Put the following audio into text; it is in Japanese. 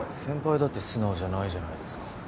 先輩だって素直じゃないじゃないですか。